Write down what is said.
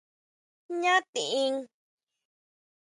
¿Jñá tiʼin?